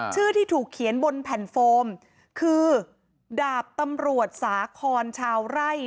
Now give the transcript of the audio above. ที่ถูกเขียนบนแผ่นโฟมคือดาบตำรวจสาคอนชาวไร่